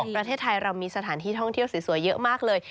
ประเทศไทยเรามีสถานที่ท่องเที่ยวสวยเยอะมากเลย